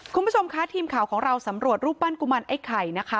คุณผู้ชมคะทีมข่าวของเราสำรวจรูปปั้นกุมารไอ้ไข่นะคะ